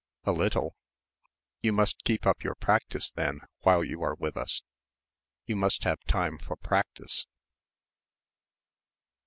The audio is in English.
"A little." "You must keep up your practice then, while you are with us you must have time for practice."